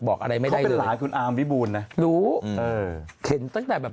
บอกอะไรไม่ได้เลย